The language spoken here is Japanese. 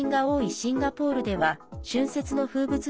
シンガポールでは今年旧正月の春節の風物詩